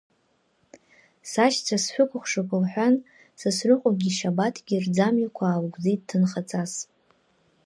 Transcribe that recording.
Сашьцәа, сшәыкәыхшоуп, — лҳәан, Сасрыҟәагьы Шьабаҭгьы рӡамҩақәа аалгәыӡит ҭынхаҵас.